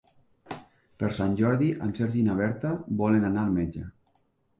Per Sant Jordi en Sergi i na Berta volen anar al metge.